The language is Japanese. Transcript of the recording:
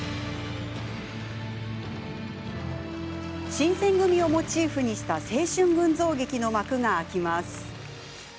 新選組をモチーフにした青春群像劇の幕が開きます。